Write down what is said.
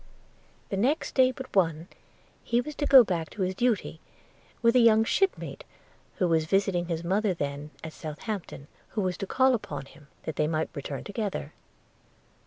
The next day but one he was to go back to his duty, with a young shipmate who was visiting his mother then at Southampton, who was to call upon him, that they might return together.